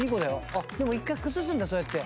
あっでも一回崩すんだそうやって。